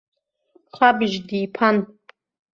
Хабжь диԥан.